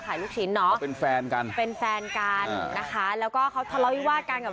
ลูกชิ้นเนอะเป็นแฟนกันเป็นแฟนกันนะคะแล้วก็เขาทะเลาวิวาสกันกับ